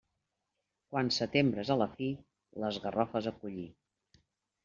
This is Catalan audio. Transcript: Quan setembre és a la fi, les garrofes a collir.